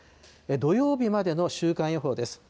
土曜日までの週間予報です。